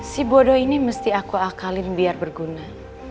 si bodoh ini mesti aku akalin biar berguna